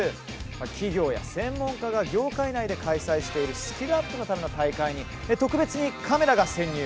企業や専門家が業界内で開催しているスキルアップのための大会に特別にカメラが潜入。